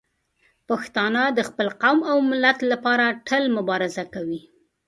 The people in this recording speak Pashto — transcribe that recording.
پښتانه د خپل قوم او ملت لپاره تل مبارزه کوي.